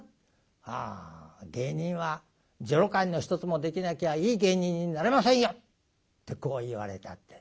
あ芸人は女郎買いの一つもできなきゃいい芸人になれませんよ」ってこう言われたって。